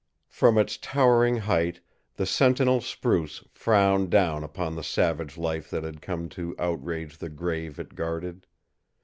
From its towering height the sentinel spruce frowned down upon the savage life that had come to outrage the grave it guarded.